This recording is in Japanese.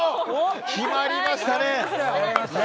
決まりましたね。